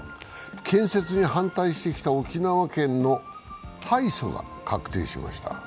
建設に反対してきた沖縄県の敗訴が確定しました。